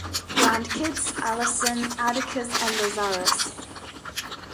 Grandkids-Allison, Atticus and Lazarus.